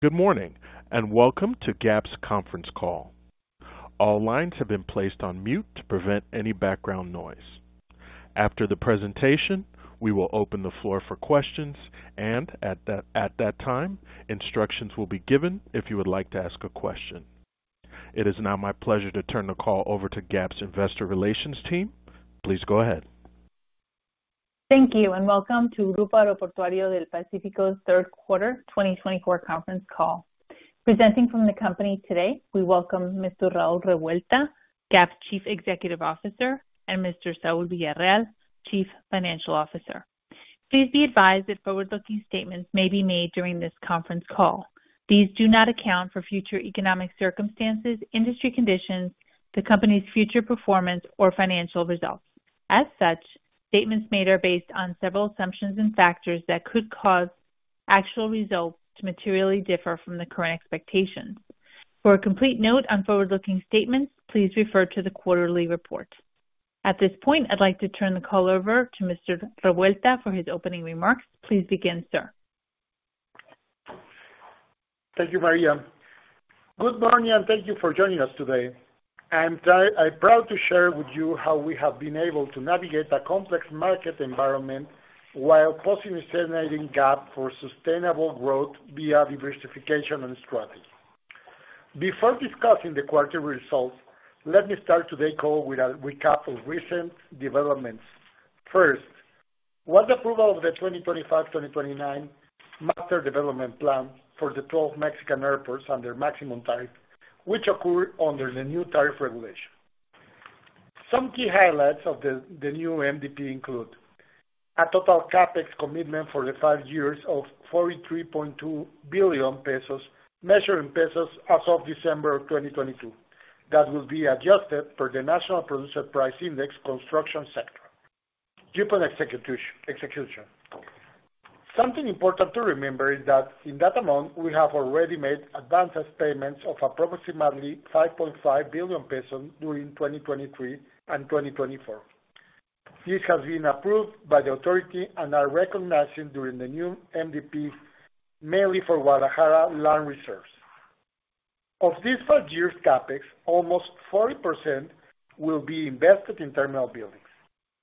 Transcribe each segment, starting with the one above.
Good morning, and welcome to GAP's conference call. All lines have been placed on mute to prevent any background noise. After the presentation, we will open the floor for questions, and at that time, instructions will be given if you would like to ask a question. It is now my pleasure to turn the call over to GAP's Investor Relations team. Please go ahead. Thank you, and welcome to Grupo Aeroportuario del Pacífico's Third Quarter Twenty twenty-four Conference Call. Presenting from the company today, we welcome Mr. Raúl Revuelta, GAP's Chief Executive Officer, and Mr. Saúl Villarreal, Chief Financial Officer. Please be advised that forward-looking statements may be made during this conference call. These do not account for future economic circumstances, industry conditions, the company's future performance, or financial results. As such, statements made are based on several assumptions and factors that could cause actual results to materially differ from the current expectations. For a complete note on forward-looking statements, please refer to the quarterly report. At this point, I'd like to turn the call over to Mr. Revuelta for his opening remarks. Please begin, sir. Thank you, Maria. Good morning, and thank you for joining us today. I'm proud to share with you how we have been able to navigate a complex market environment while positioning GAP for sustainable growth via diversification and strategy. Before discussing the quarter results, let me start today's call with a recap of recent developments. First, was approval of the 2025-2029 master development plan for the 12 Mexican airports under maximum tariff, which occurred under the new tariff regulation. Some key highlights of the new MDP include: A total CapEx commitment for the 5 years of 43.2 billion pesos, measured in pesos as of December 2022. That will be adjusted per the National Producer Price Index construction sector, during execution. Something important to remember is that, in that amount, we have already made advance payments of approximately 5.5 billion pesos during 2023 and 2024. This has been approved by the authority and are recognizing during the new MDP, mainly for Guadalajara land reserves. Of this 5-year CapEx, almost 40% will be invested in terminal buildings.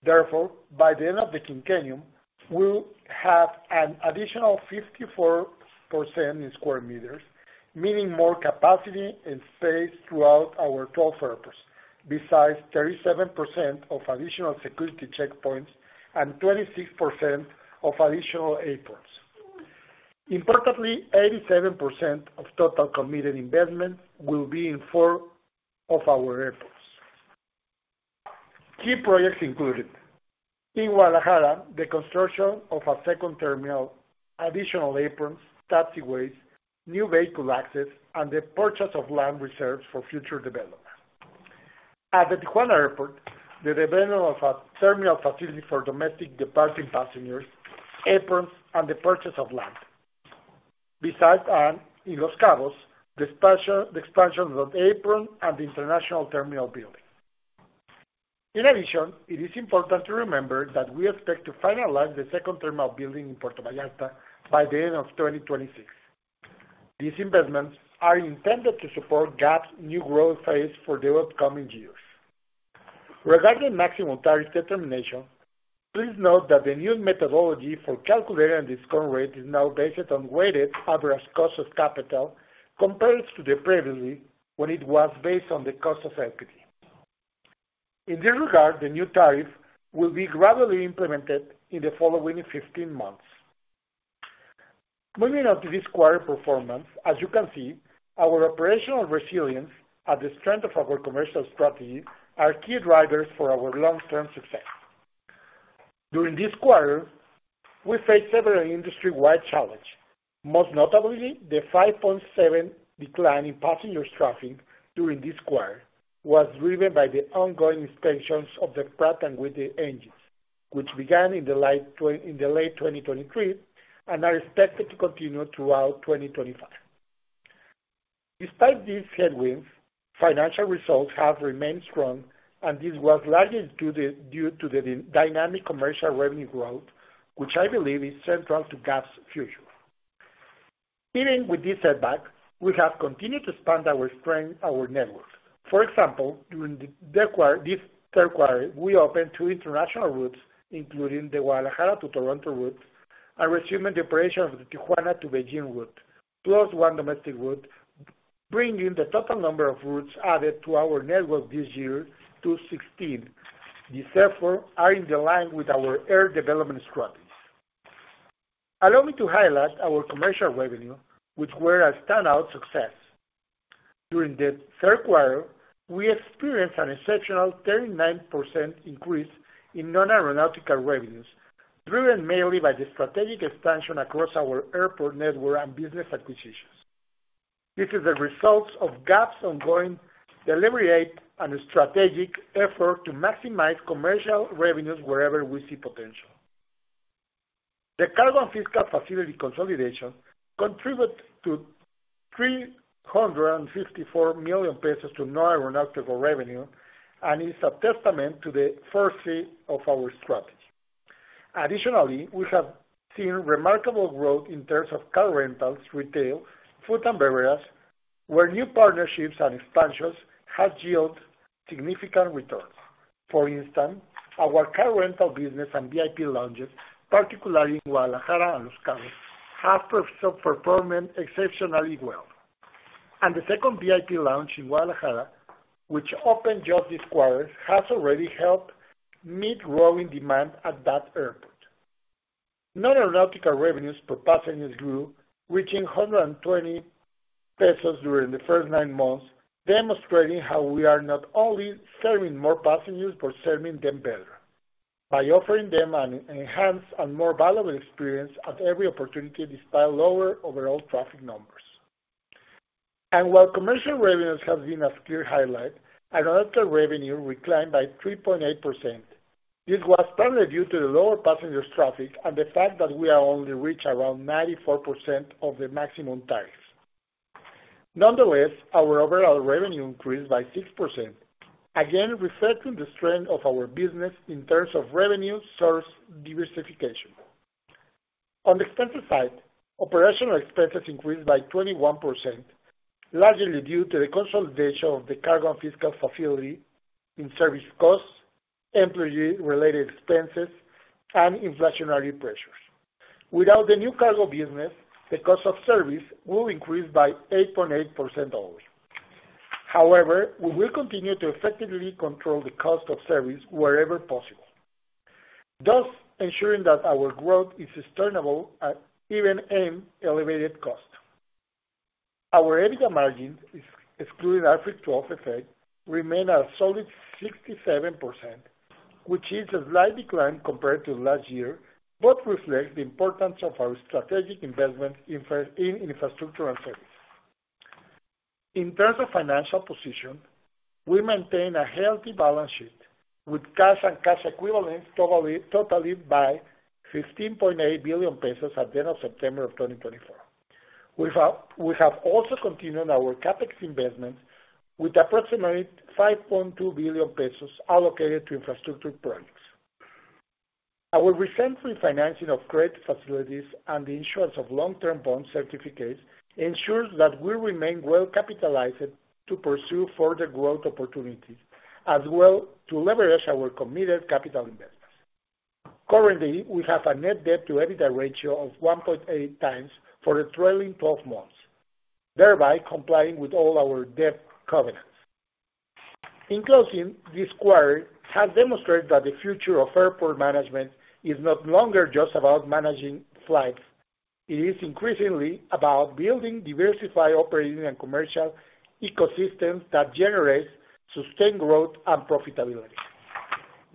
Therefore, by the end of the quinquennium, we'll have an additional 54% in square meters, meaning more capacity and space throughout our 12 airports. Besides, 37% of additional security checkpoints and 26% of additional aprons. Importantly, 87% of total committed investment will be in four of our airports. Key projects included: In Guadalajara, the construction of a second terminal, additional aprons, taxiways, new vehicle access, and the purchase of land reserves for future development. At the Tijuana Airport, the development of a terminal facility for domestic departing passengers, aprons, and the purchase of land. Besides, and in Los Cabos, the expansion of the apron and the international terminal building. In addition, it is important to remember that we expect to finalize the second terminal building in Puerto Vallarta by the end of 2026. These investments are intended to support GAP's new growth phase for the upcoming years. Regarding maximum tariff determination, please note that the new methodology for calculating discount rate is now based on weighted average cost of capital, compared to the previously, when it was based on the cost of equity. In this regard, the new tariff will be gradually implemented in the following 15 months. Moving on to this quarter performance, as you can see, our operational resilience and the strength of our commercial strategy are key drivers for our long-term success. During this quarter, we faced several industry-wide challenges. Most notably, the 5.7% decline in passenger traffic during this quarter was driven by the ongoing inspections of the Pratt & Whitney engines, which began in the late 2023 and are expected to continue throughout 2025. Despite these headwinds, financial results have remained strong, and this was largely due to the dynamic commercial revenue growth, which I believe is central to GAP's future. Even with this setback, we have continued to expand our strength, our network. For example, during the third quarter, this third quarter, we opened two international routes, including the Guadalajara to Toronto route, and resuming the operation of the Tijuana to Beijing route, plus one domestic route, bringing the total number of routes added to our network this year to 16. These, therefore, are in line with our air development strategies. Allow me to highlight our commercial revenue, which were a standout success. During the third quarter, we experienced an exceptional 39% increase in non-aeronautical revenues, driven mainly by the strategic expansion across our airport network and business acquisitions. This is the result of GAP's ongoing deliberate and strategic effort to maximize commercial revenues wherever we see potential. The cargo and fiscal facility consolidation contributed 354 million pesos to non-aeronautical revenue, and is a testament to the first phase of our strategy. Additionally, we have seen remarkable growth in terms of car rentals, retail, food and beverages, where new partnerships and expansions have yielded significant returns. For instance, our car rental business and VIP lounges, particularly in Guadalajara and Los Cabos, have performed exceptionally well. The second VIP lounge in Guadalajara, which opened just this quarter, has already helped meet growing demand at that airport. Non-aeronautical revenues per passengers grew, reaching 120 pesos during the first nine months, demonstrating how we are not only serving more passengers, but serving them better by offering them an enhanced and more valuable experience at every opportunity, despite lower overall traffic numbers. While commercial revenues have been a clear highlight, aeronautical revenue declined by 3.8%. This was partly due to the lower passenger traffic and the fact that we only reached around 94% of the maximum tariffs. Nonetheless, our overall revenue increased by 6%, again, reflecting the strength of our business in terms of revenue source diversification. On the expenses side, operational expenses increased by 21%, largely due to the consolidation of the cargo and fiscal facility in service costs, employee-related expenses, and inflationary pressures. Without the new cargo business, the cost of service will increase by 8.8% only. However, we will continue to effectively control the cost of service wherever possible, thus ensuring that our growth is sustainable at even and elevated cost. Our EBITDA margins, excluding IFRIC 12 effect, remain at a solid 67%, which is a slight decline compared to last year, but reflects the importance of our strategic investment in infrastructure and service. In terms of financial position, we maintain a healthy balance sheet, with cash and cash equivalents totaling 15.8 billion pesos at the end of September of 2024. We have also continued our CapEx investment with approximately 5.2 billion pesos allocated to infrastructure projects. Our recent refinancing of credit facilities and the issuance of long-term bond certificates ensures that we remain well-capitalized to pursue further growth opportunities, as well to leverage our committed capital investments. Currently, we have a net debt-to-EBITDA ratio of 1.8 times for the trailing twelve months, thereby complying with all our debt covenants. In closing, this quarter has demonstrated that the future of airport management is no longer just about managing flights. It is increasingly about building diversified operating and commercial ecosystems that generate sustained growth and profitability.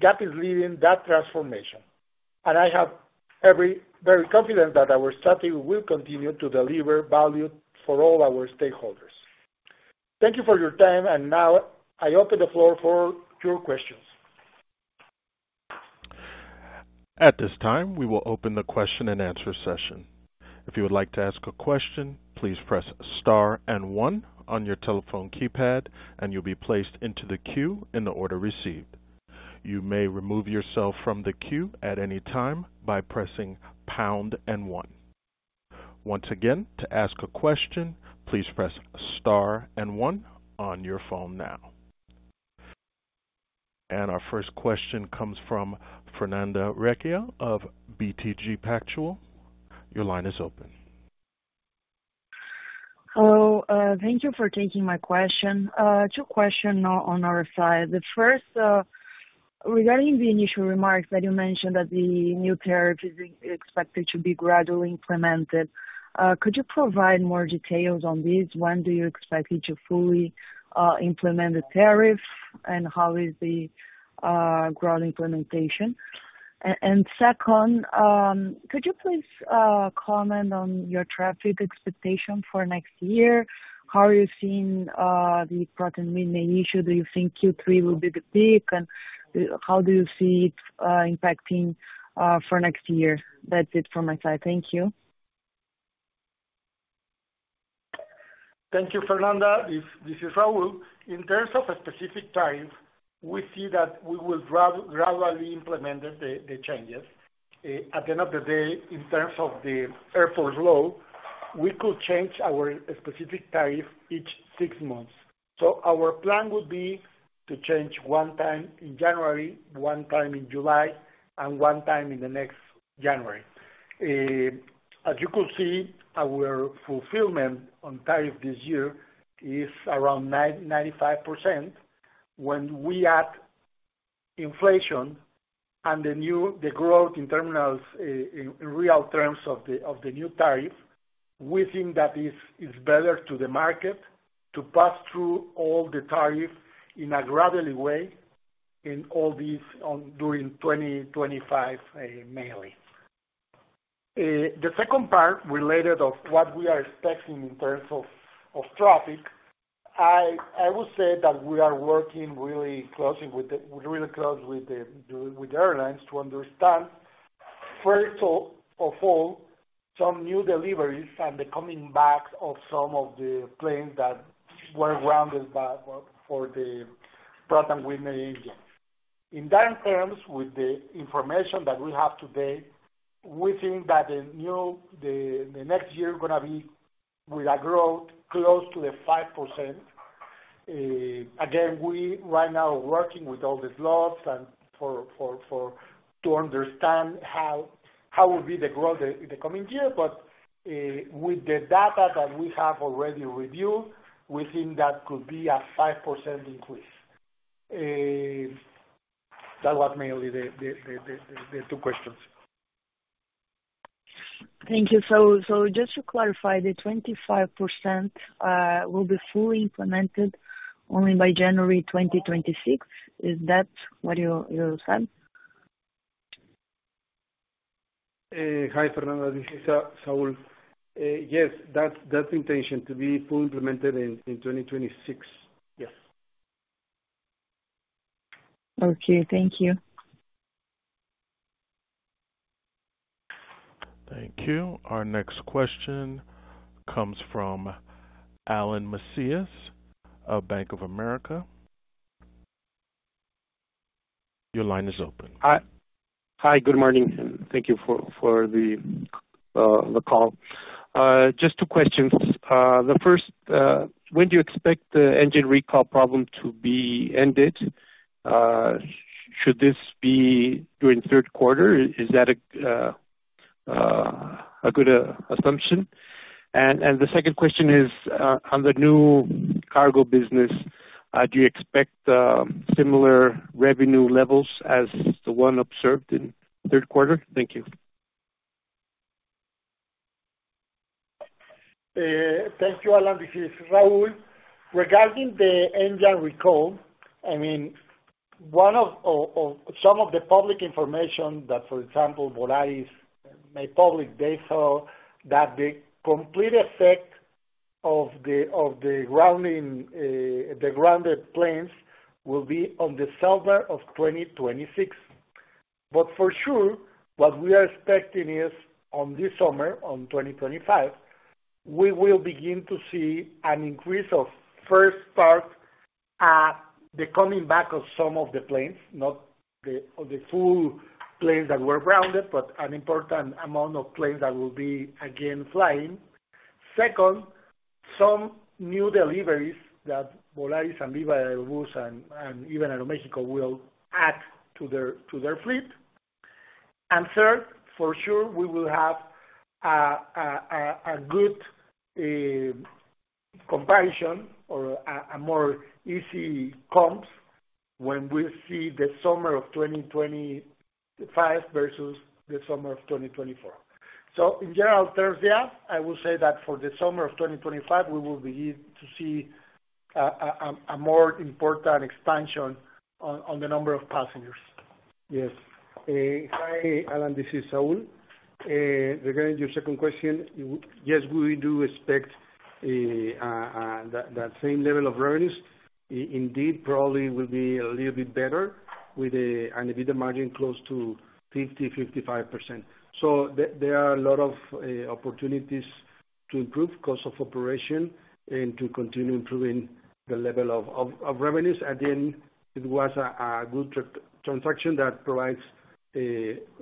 GAP is leading that transformation, and I have very confident that our strategy will continue to deliver value for all our stakeholders. Thank you for your time, and now I open the floor for your questions. At this time, we will open the question-and-answer session. If you would like to ask a question, please press star and one on your telephone keypad, and you'll be placed into the queue in the order received. You may remove yourself from the queue at any time by pressing pound and one. Once again, to ask a question, please press star and one on your phone now. And our first question comes from Fernanda Recchia of BTG Pactual. Your line is open. Hello, thank you for taking my question. Two questions on our side. The first, regarding the initial remarks that you mentioned, that the new tariff is expected to be gradually implemented. Could you provide more details on this? When do you expect it to fully implement the tariff, and how is the growth implementation? And second, could you please comment on your traffic expectation for next year? How are you seeing the current main issue? Do you think Q3 will be the peak, and how do you see it impacting for next year? That's it for my side. Thank you. Thank you, Fernanda. This is Raul. In terms of a specific time, we see that we will gradually implement the changes. At the end of the day, in terms of the airport flow, we could change our specific tariff each six months. So our plan would be to change one time in January, one time in July, and one time in the next January. As you could see, our fulfillment on tariff this year is around 95%. When we add inflation and the new growth in terminals, in real terms of the new tariff, we think that is better to the market to pass through all the tariff in a gradually way, in all these during twenty twenty-five, mainly. The second part, related to what we are expecting in terms of traffic, I would say that we are working really closely with the airlines to understand, first of all, some new deliveries and the coming back of some of the planes that were grounded by the strong winter in Asia. In that terms, with the information that we have today, we think that the next year gonna be with a growth close to 5%. Again, we right now are working with all the and to understand how will be the growth in the coming year. But with the data that we have already reviewed, we think that could be a 5% increase. That was mainly the two questions. Thank you. So, just to clarify, the 25%, will be fully implemented only by January 2026? Is that what you said? Hi, Fernanda, this is Saul. Yes, that's the intention to be fully implemented in 2026. Yes. Okay, thank you. Thank you. Our next question comes from Alan Macias of Bank of America. Your line is open. Hi. Hi, good morning, and thank you for the call. Just two questions. The first, when do you expect the engine recall problem to be ended? Should this be during third quarter? Is that a good assumption? And the second question is, on the new cargo business, do you expect similar revenue levels as the one observed in third quarter? Thank you. Thank you, Alan. This is Raul. Regarding the engine recall, I mean, one of some of the public information that, for example, Volaris made public, they saw that the complete effect of the grounding, the grounded planes will be on the summer of 2026. But for sure, what we are expecting is on this summer, on 2025, we will begin to see an increase of first part, the coming back of some of the planes, not of the full planes that were grounded, but an important amount of planes that will be again flying. Second, some new deliveries that Volaris and Viva Aerobus and even Aeroméxico will add to their fleet. Third, for sure, we will have a good comparison or a more easy comps when we see the summer of 2025 versus the summer of 2024. In general, Thirdly, I will say that for the summer of 2025, we will begin to see a more important expansion on the number of passengers. Yes. Hi, Alan, this is Saul. Regarding your second question, yes, we do expect that same level of earnings. Indeed, probably will be a little bit better with an EBITDA margin close to 50%-55%. So there are a lot of opportunities to improve cost of operation and to continue improving the level of revenues. At the end, it was a good transaction that provides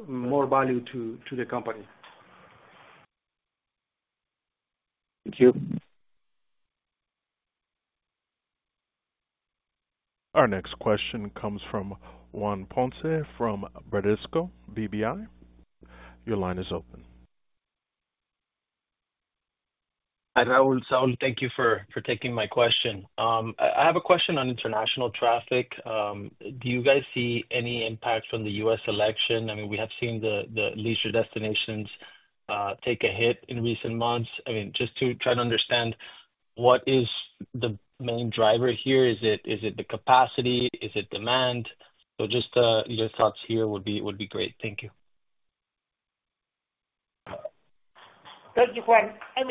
more value to the company. Thank you. Our next question comes from Juan Ponce, from Bradesco BBI. Your line is open. Hi, Raúl, Saúl, thank you for taking my question. I have a question on international traffic. Do you guys see any impact from the U.S. election? I mean, we have seen the leisure destinations take a hit in recent months. I mean, just to try to understand, what is the main driver here? Is it the capacity? Is it demand? So just your thoughts here would be great. Thank you. Thank you, Juan. I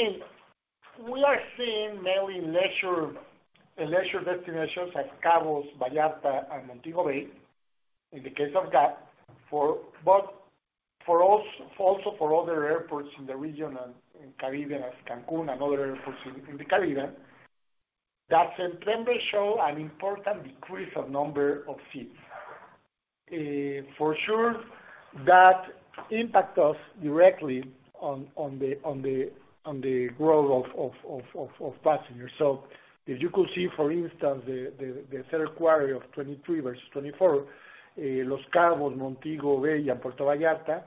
mean, we are seeing mainly leisure destinations like Los Cabos, Puerto Vallarta, and Montego Bay, in the case of that, but also for other airports in the region and in the Caribbean, as Cancún and other airports in the Caribbean, that September show an important decrease of number of seats. For sure, that impact us directly on the growth of passengers. So as you could see, for instance, the third quarter of 2023 versus 2024, Los Cabos, Montego Bay, and Puerto Vallarta,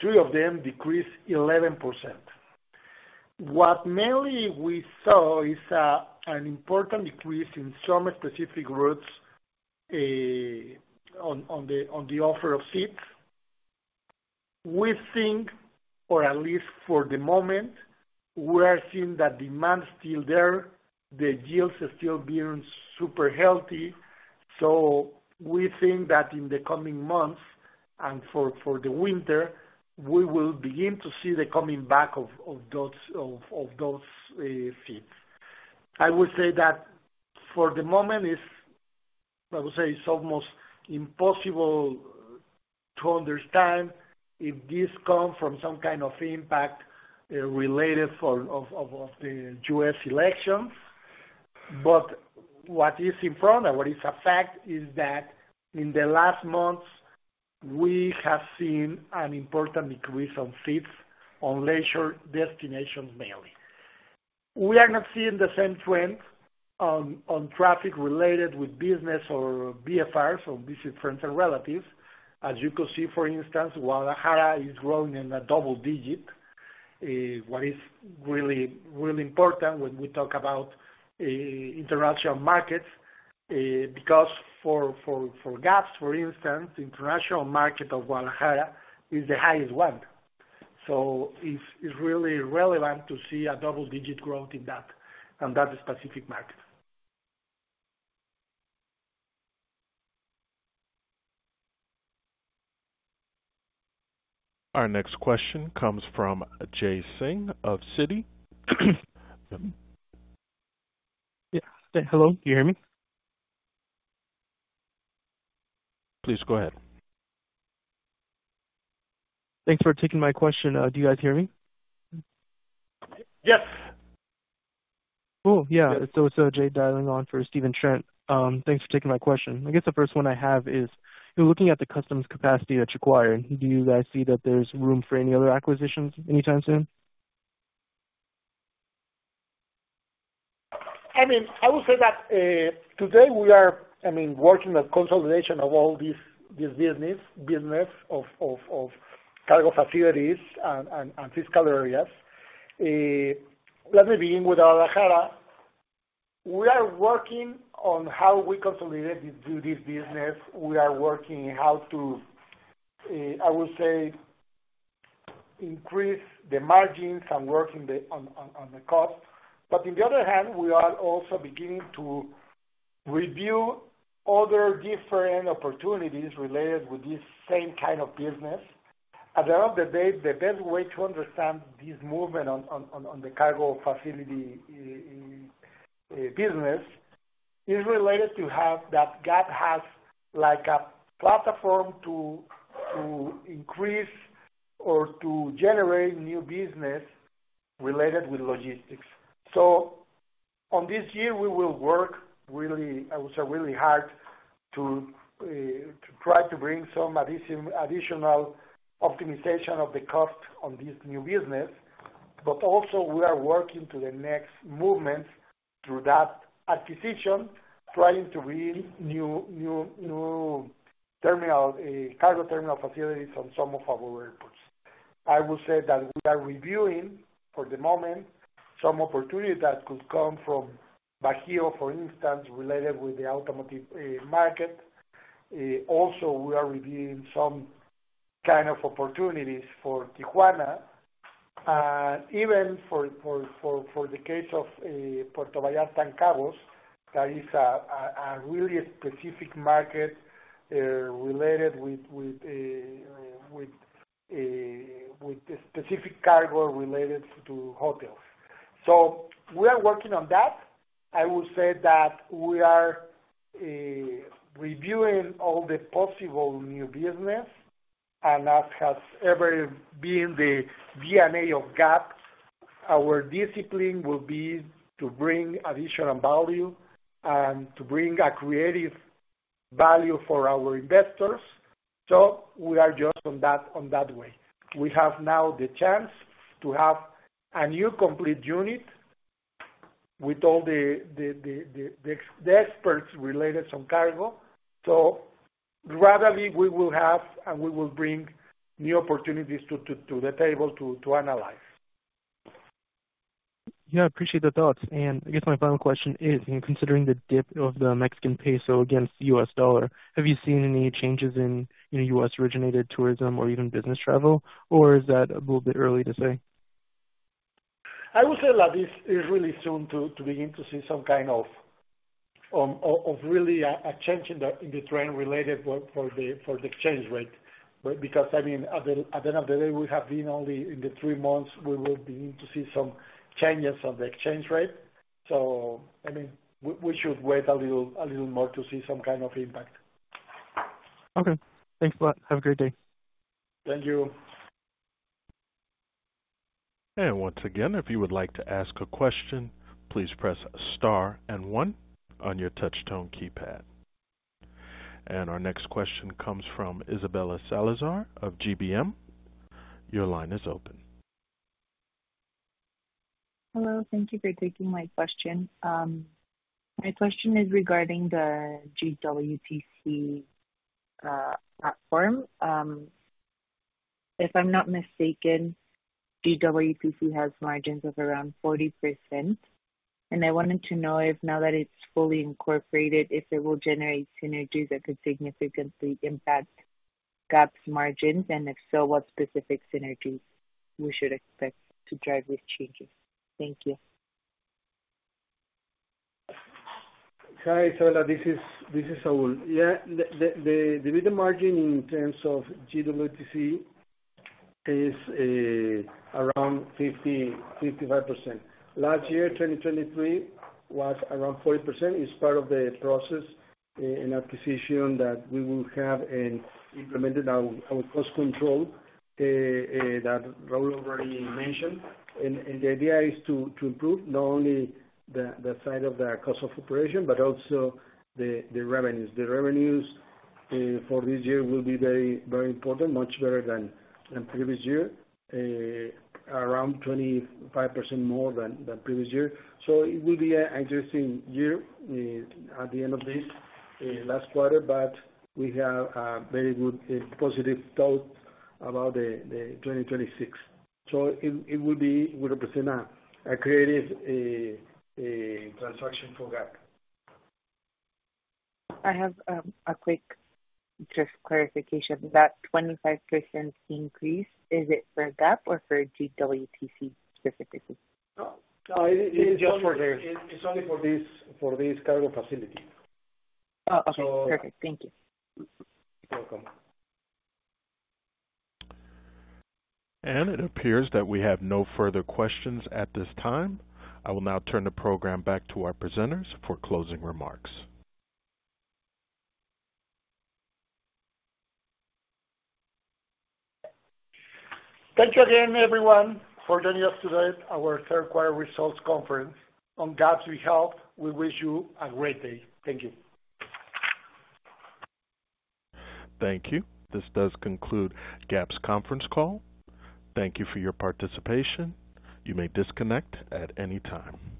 three of them decreased 11%. What mainly we saw is an important decrease in some specific routes, on the offer of seats. We think, or at least for the moment, we are seeing that demand is still there, the yields are still being super healthy. So we think that in the coming months, and for the winter, we will begin to see the coming back of those seats. I would say that for the moment, it's almost impossible to understand if this comes from some kind of impact related to the U.S. elections. But what is in front and what is a fact is that in the last months, we have seen an important increase in seats on leisure destinations, mainly. We are not seeing the same trend on traffic related with business or VFR, so visit friends and relatives. As you can see, for instance, Guadalajara is growing in a double digit, what is really, really important when we talk about international markets, because for GAP, for instance, international market of Guadalajara is the highest one. So it's really relevant to see a double-digit growth in that specific market. Our next question comes from Jay Singh of Citi. Yeah. Hello? Can you hear me? Please go ahead. Thanks for taking my question. Do you guys hear me? Yes. Cool. Yeah. It's Jay dialing in for Stephen Trent. Thanks for taking my question. I guess the first one I have is, you're looking at the customs capacity that you acquired. Do you guys see that there's room for any other acquisitions anytime soon? I mean, I would say that today we are, I mean, working on consolidation of all these businesses of cargo facilities and fiscal areas. Let me begin with Guadalajara. We are working on how we consolidate this duty business. We are working how to, I would say, increase the margins and working on the cost, but on the other hand, we are also beginning to review other different opportunities related with this same kind of business. At the end of the day, the best way to understand this movement on the cargo facility business is related to have that GAP has like a platform to increase or to generate new business related with logistics. So on this year, we will work really, I would say, really hard to try to bring some additional optimization of the cost on this new business. But also we are working to the next movements through that acquisition, trying to build new cargo terminal facilities on some of our airports. I will say that we are reviewing, for the moment, some opportunities that could come from Bajío, for instance, related with the automotive market. Also, we are reviewing some kind of opportunities for Tijuana, even for the case of Puerto Vallarta and Los Cabos, that is a really specific market related with the specific cargo related to hotels. So we are working on that. I would say that we are reviewing all the possible new business and as has ever been the DNA of GAP, our discipline will be to bring additional value and to bring a creative value for our investors. So we are just on that way. We have now the chance to have a new complete unit with all the experts related on cargo. So gradually, we will have and we will bring new opportunities to the table to analyze. Yeah, I appreciate the thoughts, and I guess my final question is: In considering the dip of the Mexican peso against the U.S. dollar, have you seen any changes in, you know, U.S.-originated tourism or even business travel? Or is that a little bit early to say? I would say that is really soon to begin to see some kind of really a change in the trend related for the exchange rate. Because, I mean, at the end of the day, we have been only in the three months, we will begin to see some changes on the exchange rate, so I mean, we should wait a little more to see some kind of impact. Okay. Thanks a lot. Have a great day. Thank you. Once again, if you would like to ask a question, please press star and one on your touch tone keypad. Our next question comes from Isabella Salazar of GBM. Your line is open. Hello. Thank you for taking my question. My question is regarding the GWTC platform. If I'm not mistaken, GWTC has margins of around 40%, and I wanted to know if now that it's fully incorporated, if it will generate synergies that could significantly impact GAP's margins, and if so, what specific synergies we should expect to drive these changes? Thank you. Hi, Isabella. This is Saul. Yeah, the EBITDA margin in terms of GWTC is around 55%. Last year, 2023, was around 40%. It's part of the process in acquisition that we will have and implemented our cost control that Raúl already mentioned. And the idea is to improve not only the side of the cost of operation, but also the revenues. The revenues for this year will be very important, much better than previous year, around 25% more than previous year. So it will be an interesting year at the end of this last quarter, but we have a very good positive thought about the 2026. So it will represent a creative transaction for GAP. I have a quick just clarification. That 25% increase, is it for GAP or for GWTC specifically? No, no, it is just for this. It's only for this, for this cargo facility. Oh, okay. So- Perfect. Thank you. You're welcome. It appears that we have no further questions at this time. I will now turn the program back to our presenters for closing remarks. Thank you again, everyone, for joining us today, our third quarter results conference. On GAP's behalf, we wish you a great day. Thank you. Thank you. This does conclude GAP's conference call. Thank you for your participation. You may disconnect at any time.